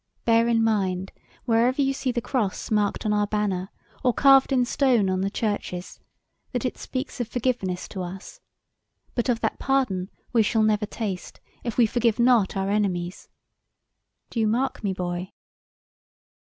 Bear in mind, whenever you see the Cross marked on our banner, or carved in stone on the Churches, that it speaks of forgiveness to us; but of that pardon we shall never taste if we forgive not our enemies. Do you mark me, boy?"